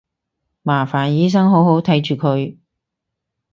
麻煩醫生好好睇住佢